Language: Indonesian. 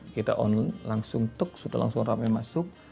kita langsung tuk sudah langsung ramai masuk